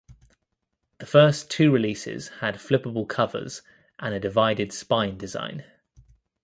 The first two releases had flippable covers and a divided spine design.